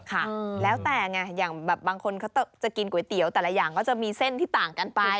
ค่ะแล้วแต่ไงอย่างแบบบางคนเขาจะกินก๋วยเตี๋ยวแต่ละอย่างก็จะมีเส้นที่ต่างกันไป